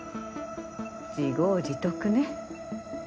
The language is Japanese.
自業自得ね。